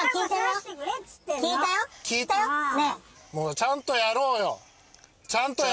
ちゃんとやろうよ！